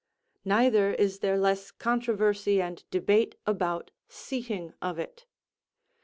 Neither is there less controversy and debate about seating of it.